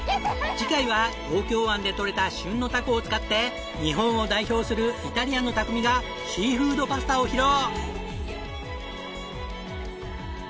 次回は東京湾でとれた旬のタコを使って日本を代表するイタリアンの匠がシーフードパスタを披露！